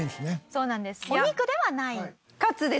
そうなんですお肉ではない。